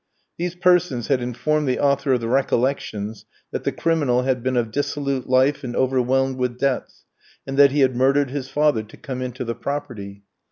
These persons had informed the author of the 'Recollections,' that the criminal had been of dissolute life and overwhelmed with debts, and that he had murdered his father to come into the property.